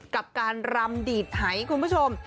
กับการรำดีดหายคุณผู้ชม